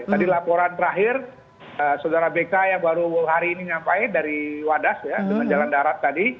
tadi laporan terakhir saudara bk yang baru hari ini nyampe dari wadas ya dengan jalan darat tadi